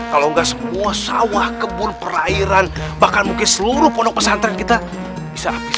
kalau enggak semua sawah kebun perairan bahkan mungkin seluruh pondok pesantren kita bisa habis